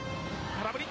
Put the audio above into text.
空振り。